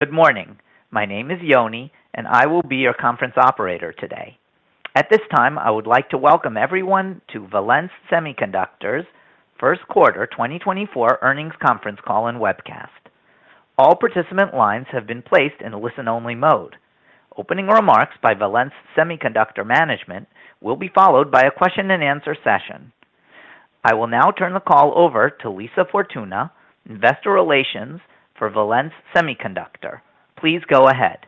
Good morning. My name is Yoni, and I will be your conference operator today. At this time, I would like to welcome everyone to Valens Semiconductor's first quarter 2024 Earnings Conference Call and Webcast. All participant lines have been placed in listen-only mode. Opening remarks by Valens Semiconductor Management will be followed by a question-and-answer session. I will now turn the call over to Lisa Fortuna, Investor Relations for Valens Semiconductor. Please go ahead.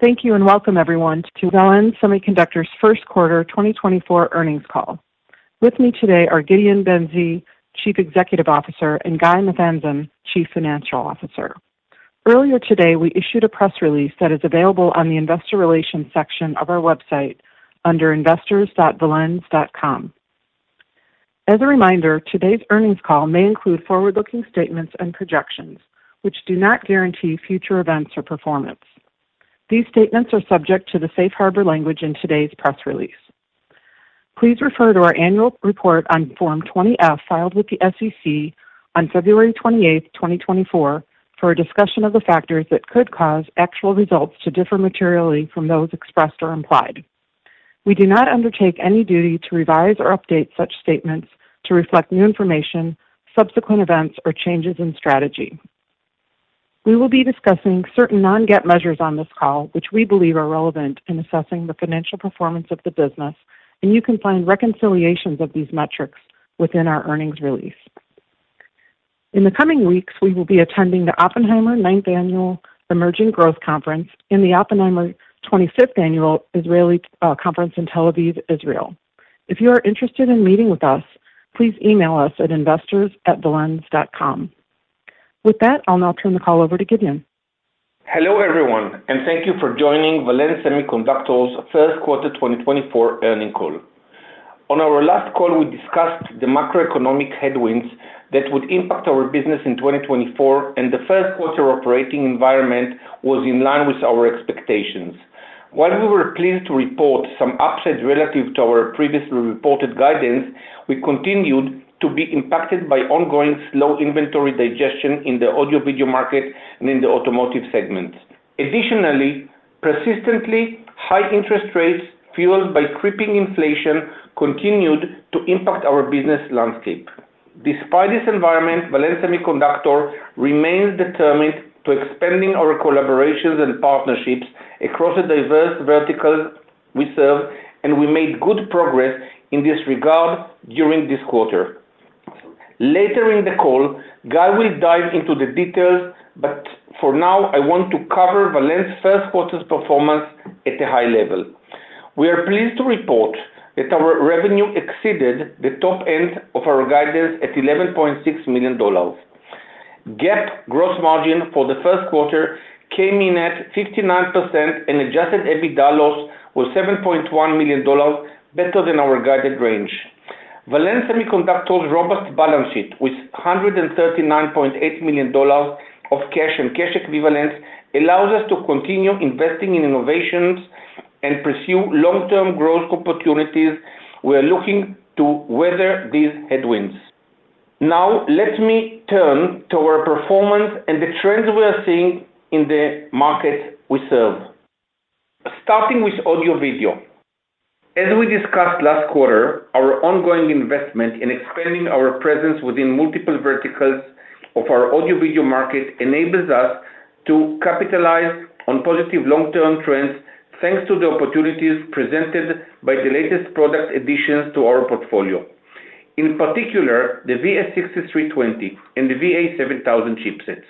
Thank you and welcome, everyone, to Valens Semiconductor's first quarter 2024 earnings call. With me today are Gideon Ben-Zvi, Chief Executive Officer, and Guy Nathanzon, Chief Financial Officer. Earlier today we issued a press release that is available on the Investor Relations section of our website under investors.valens.com. As a reminder, today's earnings call may include forward-looking statements and projections, which do not guarantee future events or performance. These statements are subject to the safe harbor language in today's press release. Please refer to our annual report on Form 20-F filed with the SEC on February 28, 2024, for a discussion of the factors that could cause actual results to differ materially from those expressed or implied. We do not undertake any duty to revise or update such statements to reflect new information, subsequent events, or changes in strategy. We will be discussing certain non-GAAP measures on this call, which we believe are relevant in assessing the financial performance of the business, and you can find reconciliations of these metrics within our earnings release. In the coming weeks, we will be attending the Oppenheimer 9th Annual Emerging Growth Conference and the Oppenheimer 25th Annual Israeli Conference in Tel Aviv, Israel. If you are interested in meeting with us, please email us at investors@valens.com. With that, I'll now turn the call over to Gideon. Hello everyone, and thank you for joining Valens Semiconductor's first quarter 2024 earnings call. On our last call, we discussed the macroeconomic headwinds that would impact our business in 2024, and the first quarter operating environment was in line with our expectations. While we were pleased to report some upside relative to our previously reported guidance, we continued to be impacted by ongoing slow inventory digestion in the audio-video market and in the automotive segment. Additionally, persistently high interest rates fueled by creeping inflation continued to impact our business landscape. Despite this environment, Valens Semiconductor remains determined to expand our collaborations and partnerships across the diverse verticals we serve, and we made good progress in this regard during this quarter. Later in the call, Guy will dive into the details, but for now, I want to cover Valens first quarter's performance at a high level. We are pleased to report that our revenue exceeded the top end of our guidance at $11.6 million. GAAP gross margin for the first quarter came in at 59%, and adjusted EBITDA loss was $7.1 million, better than our guided range. Valens Semiconductor's robust balance sheet, with $139.8 million of cash and cash equivalents, allows us to continue investing in innovations and pursue long-term growth opportunities. We are looking to weather these headwinds. Now let me turn to our performance and the trends we are seeing in the markets we serve. Starting with audio-video. As we discussed last quarter, our ongoing investment in expanding our presence within multiple verticals of our audio-video market enables us to capitalize on positive long-term trends thanks to the opportunities presented by the latest product additions to our portfolio. In particular, the VS6320 and the VA7000 chipsets.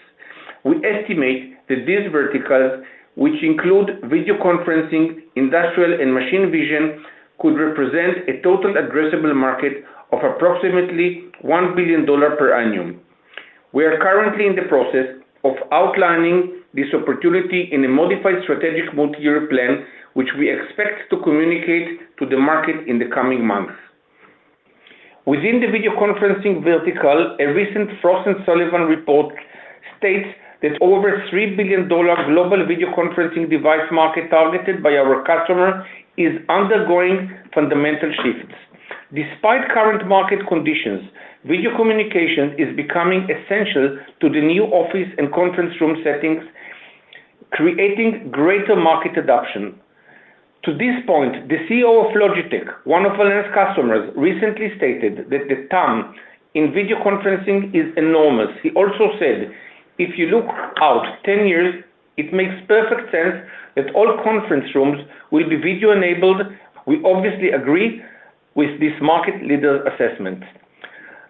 We estimate that these verticals, which include video conferencing, industrial, and machine vision, could represent a total addressable market of approximately $1 billion per annum. We are currently in the process of outlining this opportunity in a modified strategic multi-year plan, which we expect to communicate to the market in the coming months. Within the video conferencing vertical, a recent Frost & Sullivan report states that over $3 billion global video conferencing device market targeted by our customer is undergoing fundamental shifts. Despite current market conditions, video communication is becoming essential to the new office and conference room settings, creating greater market adoption. To this point, the CEO of Logitech, one of Valens' customers, recently stated that the time in video conferencing is enormous. He also said, "If you look out 10 years, it makes perfect sense that all conference rooms will be video-enabled." We obviously agree with this market leader's assessment.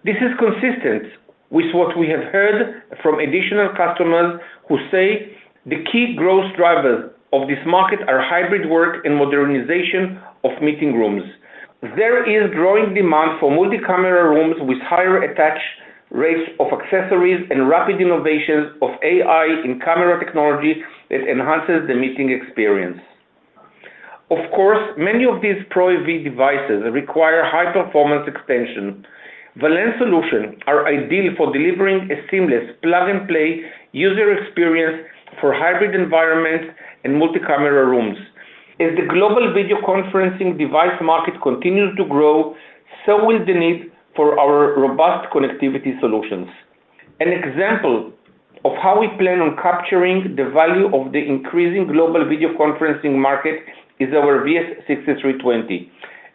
This is consistent with what we have heard from additional customers who say the key growth drivers of this market are hybrid work and modernization of meeting rooms. There is growing demand for multi-camera rooms with higher attach rates of accessories and rapid innovations of AI in camera technology that enhances the meeting experience. Of course, many of these Pro-EV devices require high-performance extension. Valens' solutions are ideal for delivering a seamless plug-and-play user experience for hybrid environments and multi-camera rooms. As the global video conferencing device market continues to grow, so will the need for our robust connectivity solutions. An example of how we plan on capturing the value of the increasing global video conferencing market is our VS6320,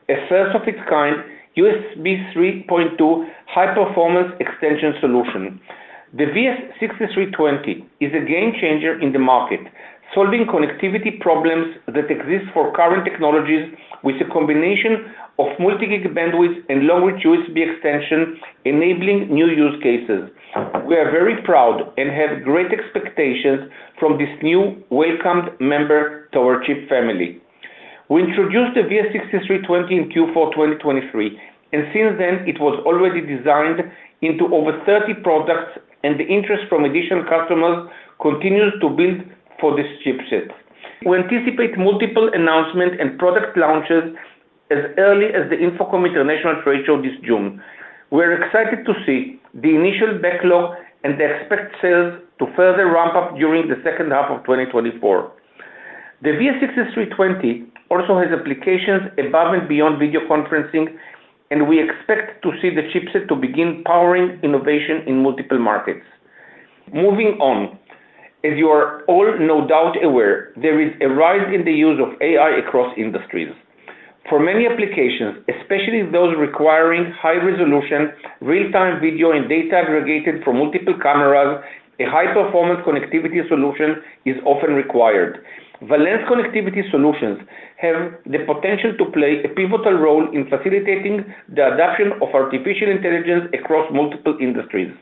a first-of-its-kind USB 3.2 high-performance extension solution. The VS6320 is a game-changer in the market, solving connectivity problems that exist for current technologies with a combination of multi-gig bandwidth and long-reach USB extension, enabling new use cases. We are very proud and have great expectations from this new welcomed member to our chip family. We introduced the VS6320 in Q4 2023, and since then, it was already designed into over 30 products, and the interest from additional customers continues to build for this chipset. We anticipate multiple announcements and product launches as early as the InfoComm International Trade Show this June. We are excited to see the initial backlog and expect sales to further ramp up during the second half of 2024. The VS6320 also has applications above and beyond video conferencing, and we expect to see the chipset to begin powering innovation in multiple markets. Moving on. As you are all no doubt aware, there is a rise in the use of AI across industries. For many applications, especially those requiring high-resolution real-time video and data aggregated from multiple cameras, a high-performance connectivity solution is often required. Valens' connectivity solutions have the potential to play a pivotal role in facilitating the adoption of artificial intelligence across multiple industries.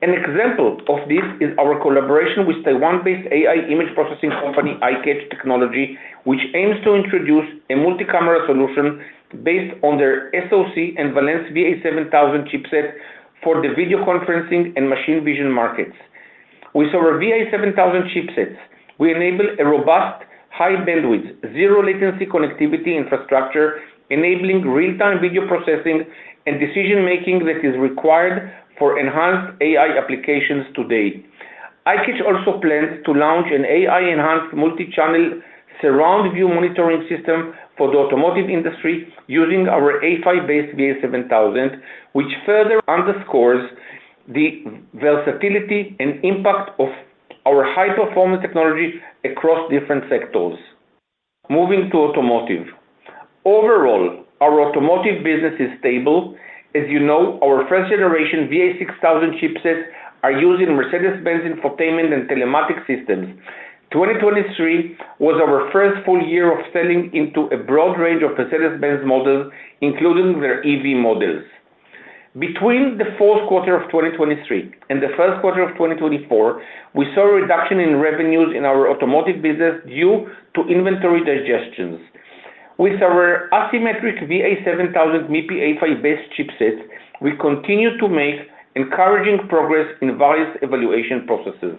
An example of this is our collaboration with Taiwan-based AI image processing company iCatch Technology, which aims to introduce a multi-camera solution based on their SOC and Valens VA7000 chipset for the video conferencing and machine vision markets. With our VA7000 chipsets, we enable a robust high-bandwidth, zero-latency connectivity infrastructure, enabling real-time video processing and decision-making that is required for enhanced AI applications today. iCatch also plans to launch an AI-enhanced multi-channel surround-view monitoring system for the automotive industry using our A-PHY based VA7000, which further underscores the versatility and impact of our high-performance technology across different sectors. Moving to automotive. Overall, our automotive business is stable. As you know, our first-generation VA6000 chipsets are using Mercedes-Benz infotainment and telematic systems. 2023 was our first full year of selling into a broad range of Mercedes-Benz models, including their EV models. Between the fourth quarter of 2023 and the first quarter of 2024, we saw a reduction in revenues in our automotive business due to inventory digestions. With our asymmetric VA7000 MIPI A-PHY based chipsets, we continue to make encouraging progress in various evaluation processes.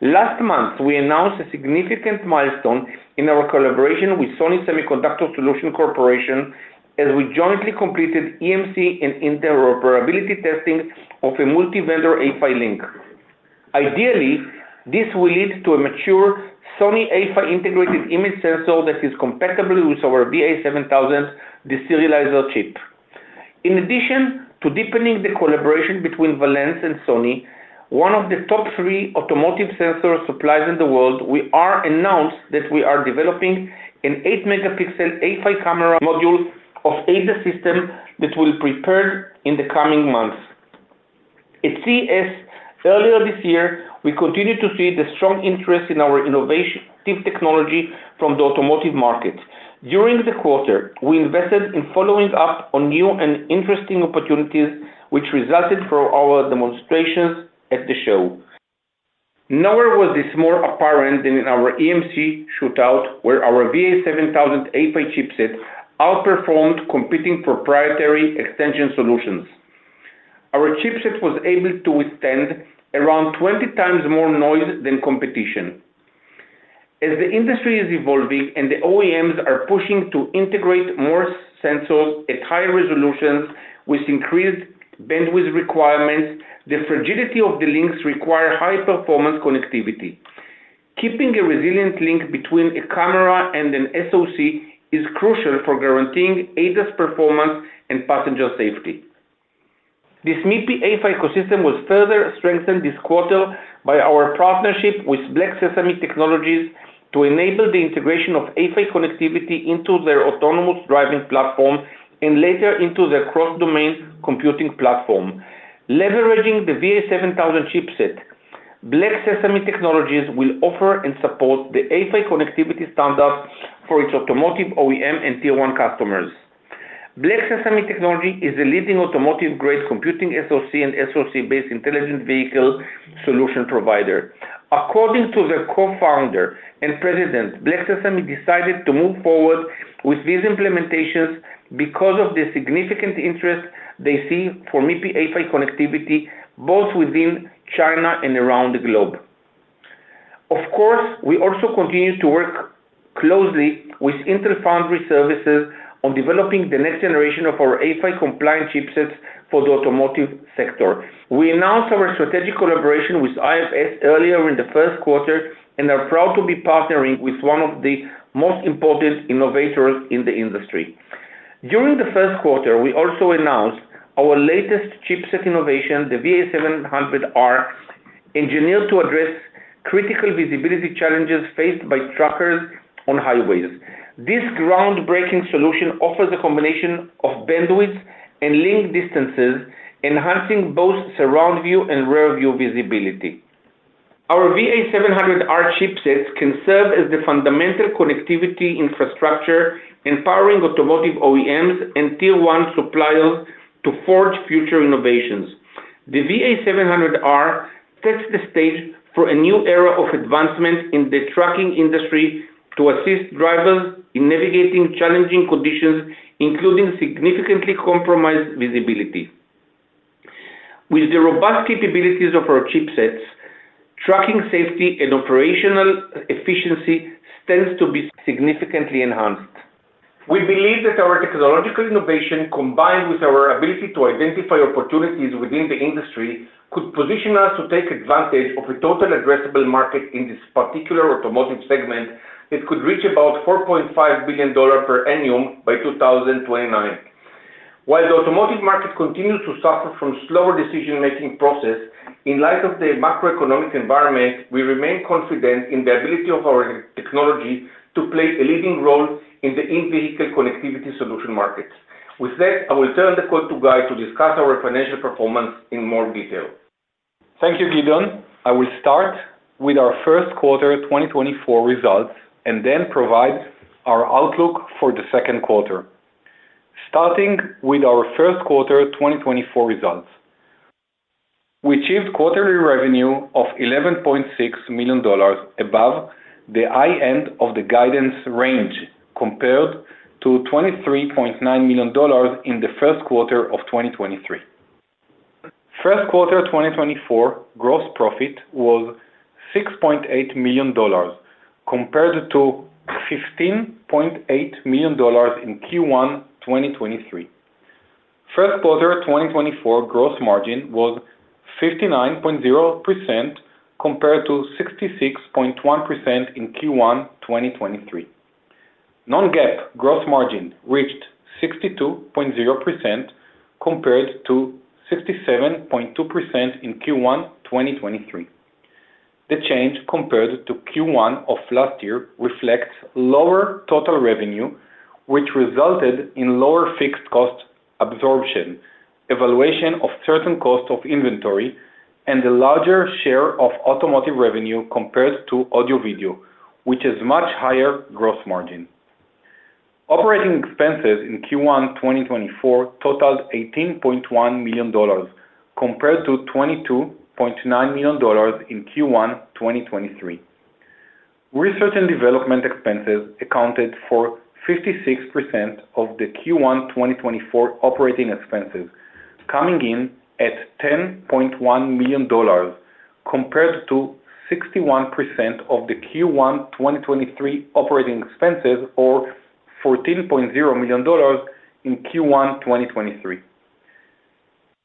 Last month, we announced a significant milestone in our collaboration with Sony Semiconductor Solutions Corporation as we jointly completed EMC and interoperability testing of a multi-vendor A-PHY link. Ideally, this will lead to a mature Sony A-PHY integrated image sensor that is compatible with our VA7000 deserializer chip. In addition to deepening the collaboration between Valens and Sony, one of the top three automotive sensor suppliers in the world, we announced that we are developing an 8-megapixel A-PHY camera module of ADAS system that will be prepared in the coming months. At CES earlier this year, we continued to see the strong interest in our innovative technology from the automotive market. During the quarter, we invested in following up on new and interesting opportunities, which resulted from our demonstrations at the show. Nowhere was this more apparent than in our EMC shootout, where our VA7000 A-PHY chipset outperformed competing proprietary extension solutions. Our chipset was able to withstand around 20 times more noise than competition. As the industry is evolving and the OEMs are pushing to integrate more sensors at higher resolutions with increased bandwidth requirements, the fragility of the links requires high-performance connectivity. Keeping a resilient link between a camera and an SOC is crucial for guaranteeing ADAS's performance and passenger safety. This MIPI A-PHY ecosystem was further strengthened this quarter by our partnership with Black Sesame Technologies to enable the integration of A-PHY connectivity into their autonomous driving platform and later into their cross-domain computing platform. Leveraging the VA7000 chipset, Black Sesame Technologies will offer and support the A-PHY connectivity standard for its automotive OEM and Tier 1 customers. Black Sesame Technologies is the leading automotive-grade computing SoC and SoC-based intelligent vehicle solution provider. According to the co-founder and president, Black Sesame Technologies decided to move forward with these implementations because of the significant interest they see for MIPI A-PHY connectivity both within China and around the globe. Of course, we also continue to work closely with Intel Foundry Services on developing the next generation of our A-PHY compliant chipsets for the automotive sector. We announced our strategic collaboration with IFS earlier in the first quarter and are proud to be partnering with one of the most important innovators in the industry. During the first quarter, we also announced our latest chipset innovation, the VA700R, engineered to address critical visibility challenges faced by truckers on highways. This groundbreaking solution offers a combination of bandwidth and link distances, enhancing both surround-view and rear-view visibility. Our VA700R chipsets can serve as the fundamental connectivity infrastructure empowering automotive OEMs and Tier 1 suppliers to forge future innovations. The VA700R sets the stage for a new era of advancement in the trucking industry to assist drivers in navigating challenging conditions, including significantly compromised visibility. With the robust capabilities of our chipsets, trucking safety and operational efficiency stand to be significantly enhanced. We believe that our technological innovation, combined with our ability to identify opportunities within the industry, could position us to take advantage of a total addressable market in this particular automotive segment that could reach about $4.5 billion per annum by 2029. While the automotive market continues to suffer from slower decision-making processes in light of the macroeconomic environment, we remain confident in the ability of our technology to play a leading role in the in-vehicle connectivity solution markets. With that, I will turn the call to Guy to discuss our financial performance in more detail. Thank you, Gideon. I will start with our first quarter 2024 results and then provide our outlook for the second quarter. Starting with our first quarter 2024 results. We achieved quarterly revenue of $11.6 million above the high end of the guidance range compared to $23.9 million in the first quarter of 2023. First quarter 2024 gross profit was $6.8 million compared to $15.8 million in Q1 2023. First quarter 2024 gross margin was 59.0% compared to 66.1% in Q1 2023. Non-GAAP gross margin reached 62.0% compared to 67.2% in Q1 2023. The change compared to Q1 of last year reflects lower total revenue, which resulted in lower fixed cost absorption, evaluation of certain costs of inventory, and a larger share of automotive revenue compared to audio-video, which has a much higher gross margin. Operating expenses in Q1 2024 totaled $18.1 million compared to $22.9 million in Q1 2023. Research and development expenses accounted for 56% of the Q1 2024 operating expenses, coming in at $10.1 million compared to 61% of the Q1 2023 operating expenses, or $14.0 million in Q1 2023.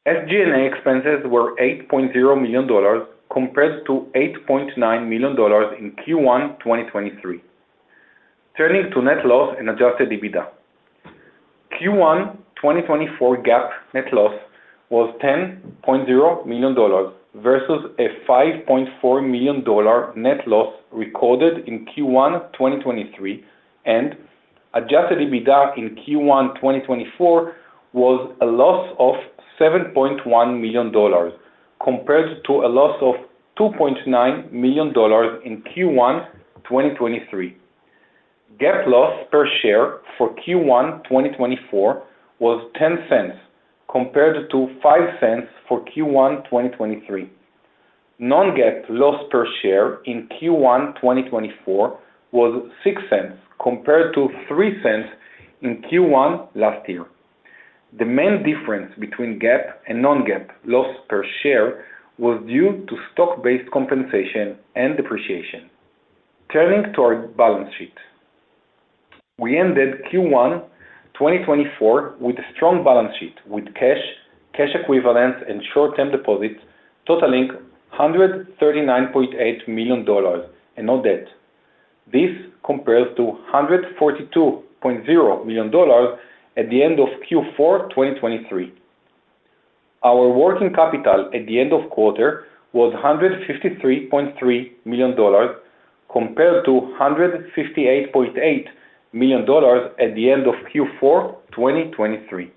SG&A expenses were $8.0 million compared to $8.9 million in Q1 2023. Turning to net loss and adjusted EBITDA. Q1 2024 GAAP net loss was $10.0 million versus a $5.4 million net loss recorded in Q1 2023, and adjusted EBITDA in Q1 2024 was a loss of $7.1 million compared to a loss of $2.9 million in Q1 2023. GAAP loss per share for Q1 2024 was $0.10 compared to $0.05 for Q1 2023. Non-GAAP loss per share in Q1 2024 was $0.06 compared to $0.03 in Q1 last year. The main difference between GAAP and non-GAAP loss per share was due to stock-based compensation and depreciation. Turning to our balance sheet. We ended Q1 2024 with a strong balance sheet with cash, cash equivalents, and short-term deposits, totaling $139.8 million and no debt. This compares to $142.0 million at the end of Q4 2023. Our working capital at the end of quarter was $153.3 million compared to $158.8 million at the end of Q4 2023.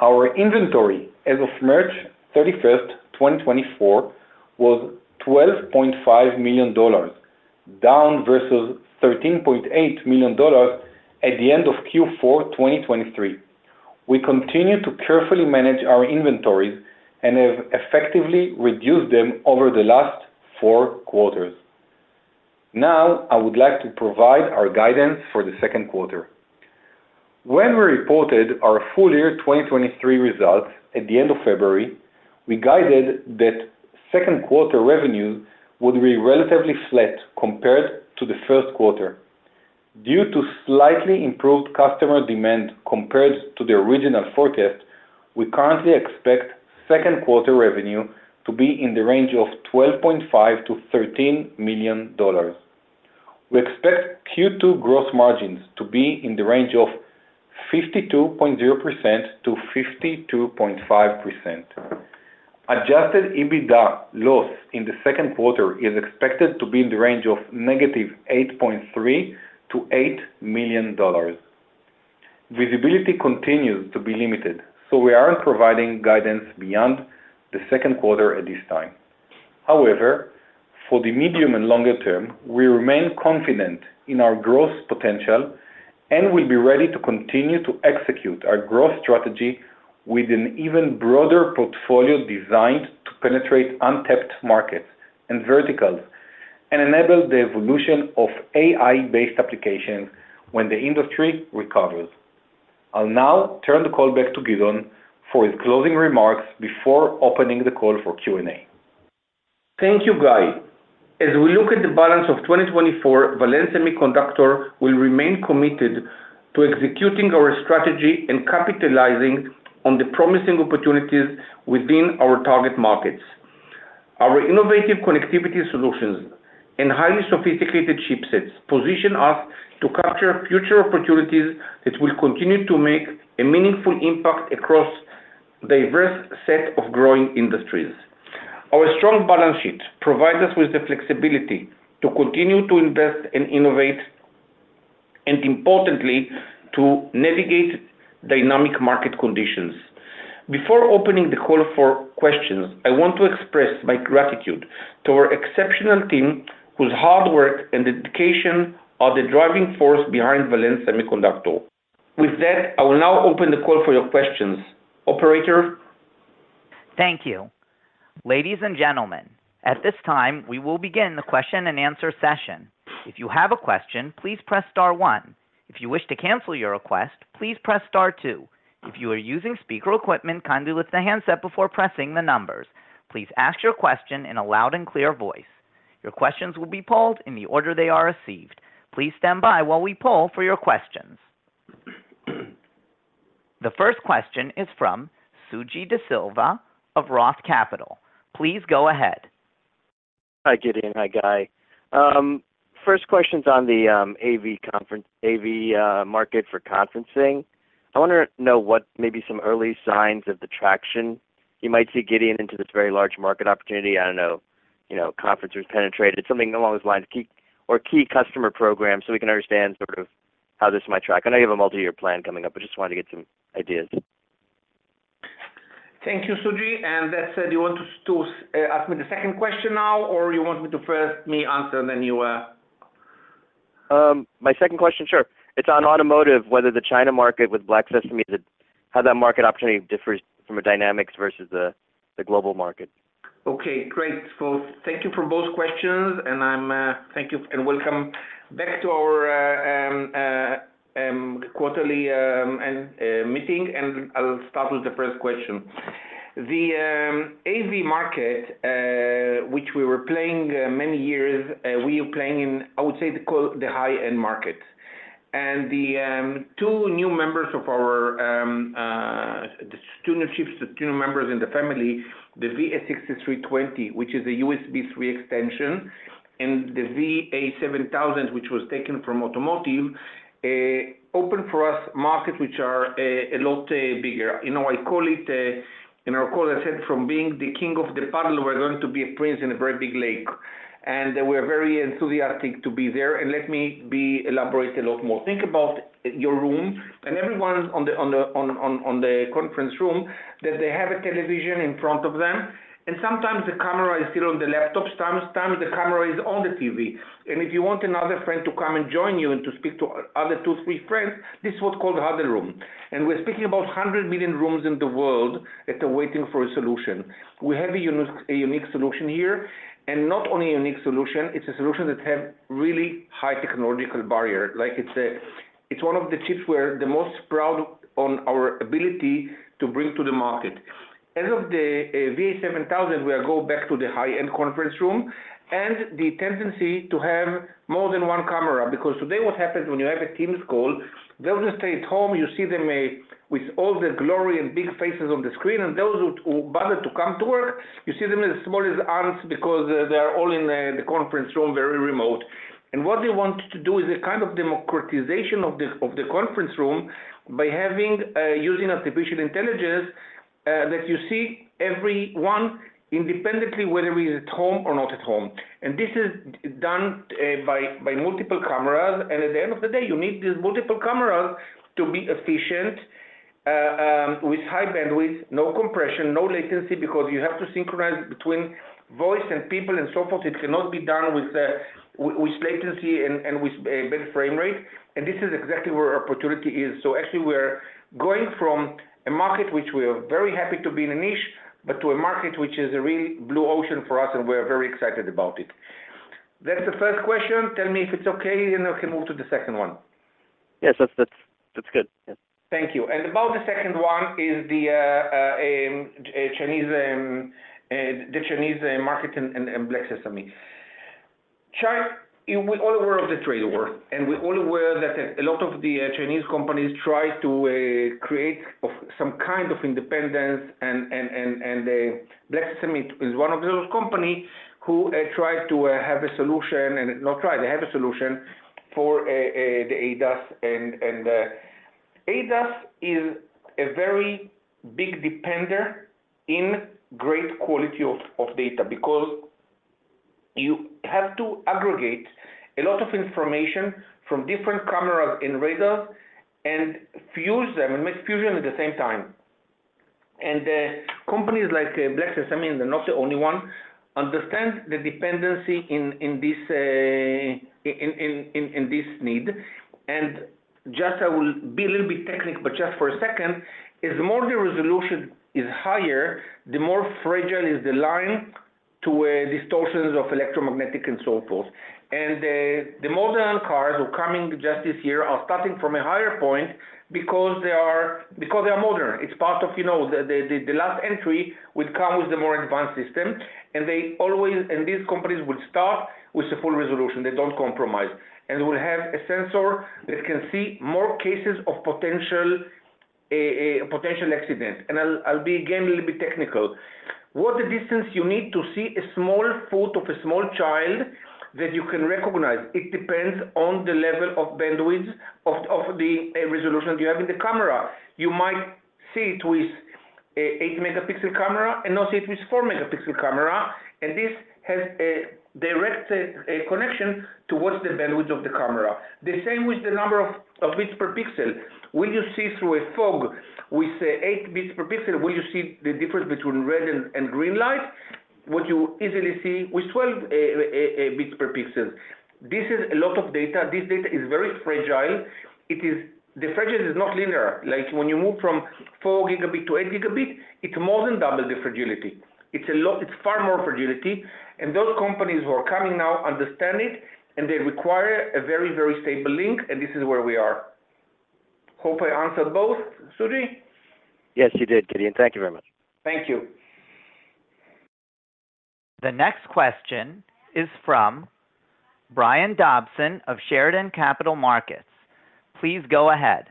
Our inventory as of March 31st, 2024, was $12.5 million, down versus $13.8 million at the end of Q4 2023. We continue to carefully manage our inventories and have effectively reduced them over the last four quarters. Now, I would like to provide our guidance for the second quarter. When we reported our full year 2023 results at the end of February, we guided that second quarter revenues would be relatively flat compared to the first quarter. Due to slightly improved customer demand compared to the original forecast, we currently expect second quarter revenue to be in the range of $12.5-$13 million. We expect Q2 gross margins to be in the range of 52.0%-52.5%. Adjusted EBITDA loss in the second quarter is expected to be in the range of -$8.3 to -$8 million. Visibility continues to be limited, so we aren't providing guidance beyond the second quarter at this time. However, for the medium and longer term, we remain confident in our gross potential and will be ready to continue to execute our growth strategy with an even broader portfolio designed to penetrate untapped markets and verticals and enable the evolution of AI-based applications when the industry recovers. I'll now turn the call back to Gideon for his closing remarks before opening the call for Q&A. Thank you, Guy. As we look at the balance of 2024, Valens Semiconductor will remain committed to executing our strategy and capitalizing on the promising opportunities within our target markets. Our innovative connectivity solutions and highly sophisticated chipsets position us to capture future opportunities that will continue to make a meaningful impact across a diverse set of growing industries. Our strong balance sheet provides us with the flexibility to continue to invest and innovate, and importantly, to navigate dynamic market conditions. Before opening the call for questions, I want to express my gratitude to our exceptional team whose hard work and dedication are the driving force behind Valens Semiconductor. With that, I will now open the call for your questions. Operator. Thank you. Ladies and gentlemen, at this time, we will begin the question-and-answer session. If you have a question, please press star one. If you wish to cancel your request, please press star two. If you are using speaker equipment, kindly lift the handset before pressing the numbers. Please ask your question in a loud and clear voice. Your questions will be polled in the order they are received. Please stand by while we poll for your questions. The first question is from Suji Desilva of Roth Capital. Please go ahead. Hi, Gideon. Hi, Guy. First question's on the AV market for conferencing. I want to know maybe some early signs of the traction you might see, Gideon, into this very large market opportunity. I don't know. Conferences penetrated. Something along those lines. Or key customer programs so we can understand sort of how this might track. I know you have a multi-year plan coming up, but just wanted to get some ideas. Thank you, Suji. And that said, you want to ask me the second question now, or you want me to first answer, and then you? My second question, sure. It's on automotive, whether the China market with Black Sesame is a how that market opportunity differs from a dynamics versus the global market. Okay. Great. Thank you for both questions. And thank you, and welcome back to our quarterly meeting. And I'll start with the first question. The AV market, which we were playing many years, we were playing in, I would say, the high-end market. The two new members of our student chips, the student members in the family, the VS6320, which is a USB 3.0 extension, and the VA7000, which was taken from automotive, opened for us markets which are a lot bigger. I call it in our call, I said, from being the king of the puddle, we're going to be a prince in a very big lake. We're very enthusiastic to be there. Let me elaborate a lot more. Think about your room and everyone on the conference room that they have a television in front of them. Sometimes the camera is still on the laptops. Sometimes the camera is on the TV. If you want another friend to come and join you and to speak to other two, three friends, this is what's called huddle room. We're speaking about 100 million rooms in the world that are waiting for a solution. We have a unique solution here. Not only a unique solution, it's a solution that has a really high technological barrier. It's one of the chips we're the most proud of on our ability to bring to the market. As of the VA7000, we go back to the high-end conference room and the tendency to have more than one camera. Because today, what happens when you have a Teams call, those who stay at home, you see them with all the glory and big faces on the screen. Those who bother to come to work, you see them as small as ants because they are all in the conference room, very remote. What they want to do is a kind of democratization of the conference room by using artificial intelligence that you see everyone independently, whether he's at home or not at home. This is done by multiple cameras. At the end of the day, you need these multiple cameras to be efficient with high bandwidth, no compression, no latency because you have to synchronize between voice and people and so forth. It cannot be done with latency and with a better frame rate. This is exactly where our opportunity is. So actually, we're going from a market which we are very happy to be in a niche, but to a market which is a real blue ocean for us, and we're very excited about it. That's the first question. Tell me if it's okay, and we can move to the second one. Yes, that's good. Thank you. And about the second one is the Chinese market and Black Sesame. We're all aware of the trade war, and we're all aware that a lot of the Chinese companies try to create some kind of independence. And Black Sesame is one of those companies who tried to have a solution and not tried. They have a solution for the ADAS. ADAS is a very big dependent in great quality of data because you have to aggregate a lot of information from different cameras and radars and fuse them and make fusion at the same time. Companies like Black Sesame - and they're not the only one - understand the dependency in this need. Just I will be a little bit technical, but just for a second. As more the resolution is higher, the more fragile is the line to distortions of electromagnetic and so forth. The modern cars who are coming just this year are starting from a higher point because they are modern. It's part of the last entry would come with the more advanced system. These companies would start with the full resolution. They don't compromise. They will have a sensor that can see more cases of potential accidents. I'll be again a little bit technical. What the distance you need to see a small foot of a small child that you can recognize, it depends on the level of bandwidth of the resolution that you have in the camera. You might see it with an 8-megapixel camera and not see it with a 4-megapixel camera. This has a direct connection towards the bandwidth of the camera, the same with the number of bits per pixel. Will you see through a fog with 8 bits per pixel? Will you see the difference between red and green light? What you easily see with 12 bits per pixel. This is a lot of data. This data is very fragile. The fragility is not linear. When you move from 4 Gb to 8 Gb, it's more than double the fragility. It's far more fragility. And those companies who are coming now understand it, and they require a very, very stable link. And this is where we are. Hope I answered both, Suji. Yes, you did, Gideon. Thank you very much. Thank you. The next question is from Brian Dobson of Chardan Capital Markets. Please go ahead.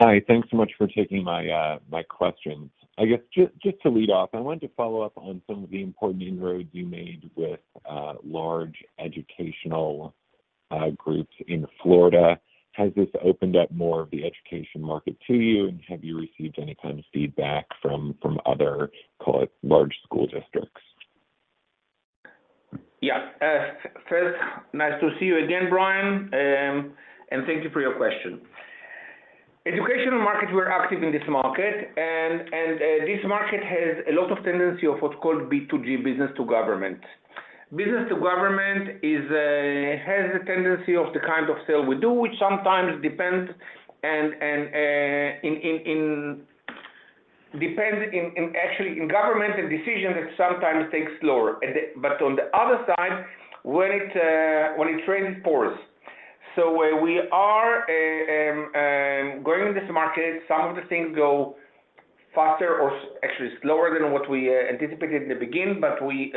Hi. Thanks so much for taking my questions. I guess just to lead off, I wanted to follow up on some of the important inroads you made with large educational groups in Florida. Has this opened up more of the education market to you, and have you received any kind of feedback from other, call it, large school districts? Yeah. First, nice to see you again, Brian. And thank you for your question. Educational market, we're active in this market. And this market has a lot of tendency of what's called B2G, business to government. Business to government has a tendency of the kind of sale we do, which sometimes depends actually on government and decision that sometimes takes slower. But on the other side, when it rains, it pours. So we are going in this market. Some of the things go faster or actually slower than what we anticipated in the beginning, but we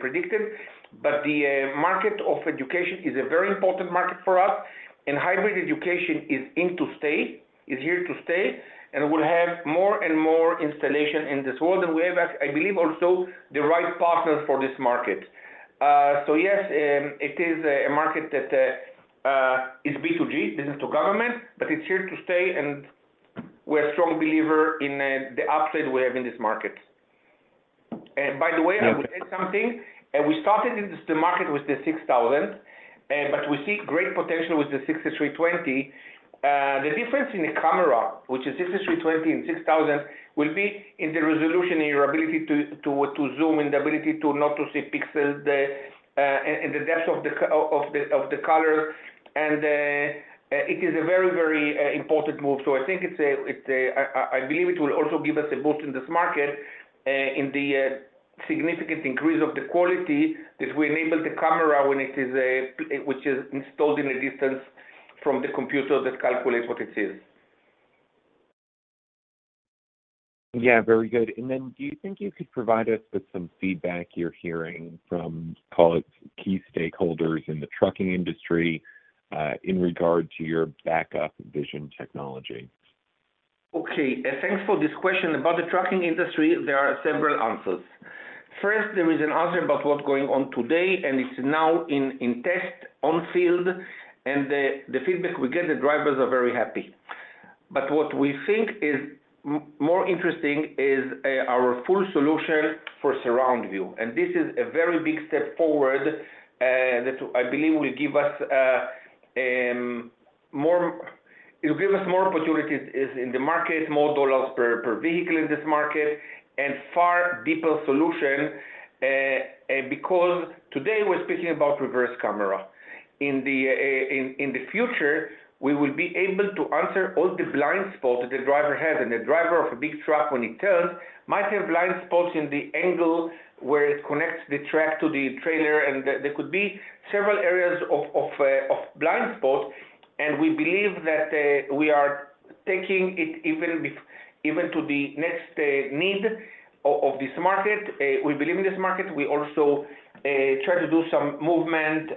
predicted. But the market of education is a very important market for us. And hybrid education is in to stay, is here to stay, and will have more and more installation in this world. And we have, I believe, also the right partners for this market. So yes, it is a market that is B2G, business to government, but it's here to stay. And we're a strong believer in the upside we have in this market. And by the way, I will add something. We started in the market with the VA6000, but we see great potential with the VS6320. The difference in the camera, which is VS6320 and VA6000, will be in the resolution and your ability to zoom and the ability to not see pixels and the depth of the colors. And it is a very, very important move. So I think it's I believe it will also give us a boost in this market in the significant increase of the quality that we enable the camera when it is installed in a distance from the computer that calculates what it is. Yeah. Very good. And then do you think you could provide us with some feedback you're hearing from, call it, key stakeholders in the trucking industry in regard to your backup vision technology? Okay. Thanks for this question. About the trucking industry, there are several answers. First, there is an answer about what's going on today, and it's now in test, in the field. And the feedback we get, the drivers are very happy. But what we think is more interesting is our full solution for Surround View. And this is a very big step forward that I believe will give us more it will give us more opportunities in the market, more dollars per vehicle in this market, and far deeper solution because today, we're speaking about reverse camera. In the future, we will be able to answer all the blind spots that the driver has. And the driver of a big truck, when he turns, might have blind spots in the angle where it connects the truck to the trailer. And there could be several areas of blind spots. And we believe that we are taking it even to the next need of this market. We believe in this market. We also try to do some movement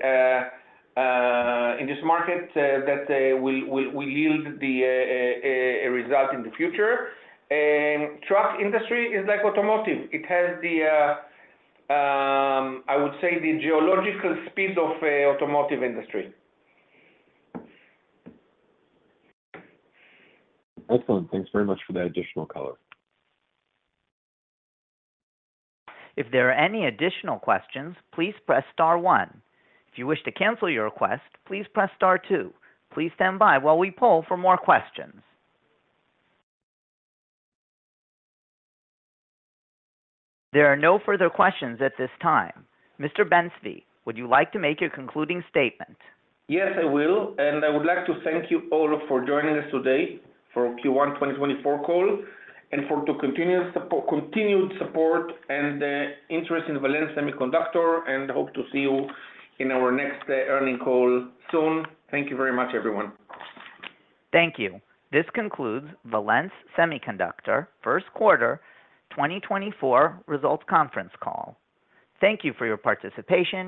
in this market that will yield the result in the future. Truck industry is like automotive. It has the, I would say, the glacial speed of the automotive industry. Excellent. Thanks very much for that additional color. If there are any additional questions, please press star one. If you wish to cancel your request, please press star two. Please stand by while we poll for more questions. There are no further questions at this time. Mr. Ben-Zvi, would you like to make your concluding statement? Yes, I will. And I would like to thank you all for joining us today for Q1 2024 call and for the continued support and interest in Valens Semiconductor. And hope to see you in our next earnings call soon. Thank you very much, everyone. Thank you. This concludes Valens Semiconductor first quarter 2024 results conference call. Thank you for your participation.